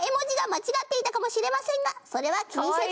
「間違っていたかもしれませんがそれは気にせずに」